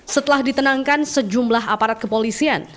setelah ditenangkan sejumlah aparat kepolisian